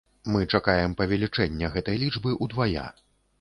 Мы чакаем павелічэння гэтай лічбы ўдвая.